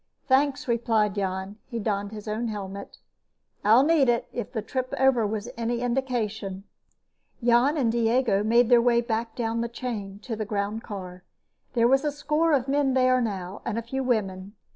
"Thanks," replied Jan. He donned his own helmet. "I'll need it, if the trip over was any indication." Jan and Diego made their way back down the chain to the groundcar. There was a score of men there now, and a few women.